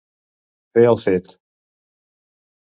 Fer el fet.